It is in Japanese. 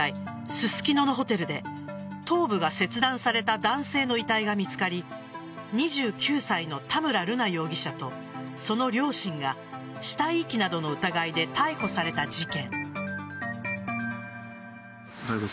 ススキノのホテルで頭部が切断された男性の遺体が見つかり２９歳の田村瑠奈容疑者とその両親が死体遺棄などの疑いで逮捕された事件。